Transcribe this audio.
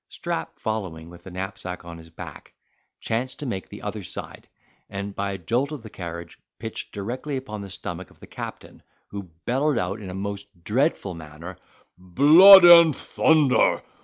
Strap following, with the knapsack on his back, chanced to take the other side, and, by a jolt of the carriage, pitched directly upon the stomach of the captain, who bellowed out, in a most dreadful manner, "Blood and thunder!